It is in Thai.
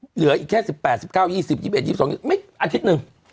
เหลืออีกแค่๑๘๑๙๒๐๒๑๒๒ไม่อาทิตย์หนึ่ง